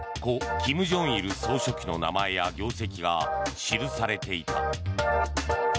・金正日総書記の名前や業績が記されていた。